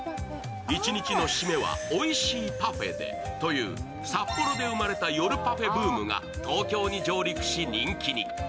一日の締めはおいしいパフェでという札幌で生まれた夜パフェブームが東京に上陸し、人気に。